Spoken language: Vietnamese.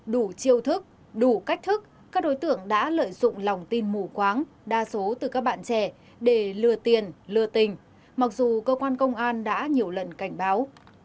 đủ chiêu thức đủ cách thức các đối tượng đã lợi dụng lòng tin mù quáng đa số từ các bạn trẻ để lừa tiền lừa tình mặc dù cơ quan công an đã nhiều lần cảnh báo